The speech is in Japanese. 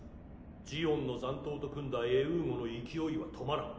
ジオンの残党と組んだエゥーゴの勢いは止まらん。